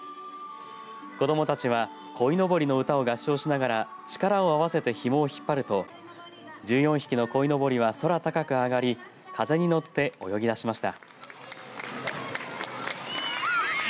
子どもたちはこいのぼりの歌を合唱しながら力を合わせてひもを引っ張ると１４匹のこいのぼりは空高く揚がり風に乗って泳ぎだしました。